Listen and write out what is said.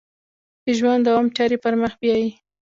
د ژوند دوام چارې پر مخ بیایي.